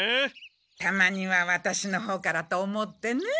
たまにはワタシのほうからと思ってね。